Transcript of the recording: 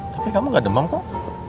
tapi kamu gak demam kok